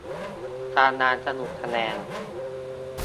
ตารางสรุปคะแนน